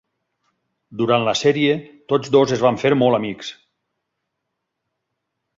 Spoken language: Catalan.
Durant la sèrie tots dos es van fer molt amics.